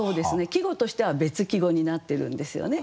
季語としては別季語になってるんですよね。